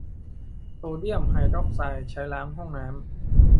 โซเดียมไฮดรอกไซด์ใช้ล้างห้องน้ำ